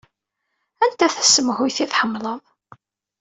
Anta tasemhuyt i tḥemmleḍ?